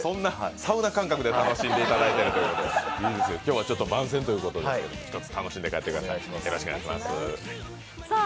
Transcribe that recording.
サウナ感覚で楽しんでいただいていると、今日は番宣ということで、楽しんで帰ってください。